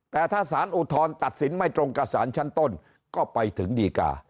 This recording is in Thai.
แต่ถ้าสารอุทธรณ์ตัดสินไม่ตรงกับสารชั้นต้นก็ไปถึงดีกา